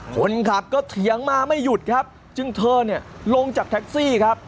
คนขับก็เถียงมาไม่หยุดครับจึงเธอเนี่ยลงจากแท็กซี่ครับ